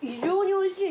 おいしい。